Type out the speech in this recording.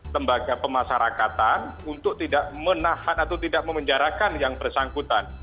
lembaga pemasarakatan untuk tidak menahan atau tidak memenjarakan yang bersangkutan